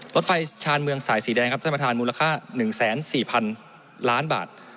รถไฟชาญเมืองสายสีแดงครับท่านประธานมูลค่าหนึ่งแสนสี่พันล้านบาท